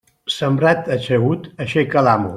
Sembrat ajagut aixeca l'amo.